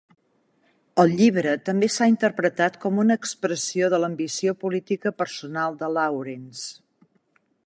El llibre també s'ha interpretat com una expressió de l'ambició política personal de Lawrence.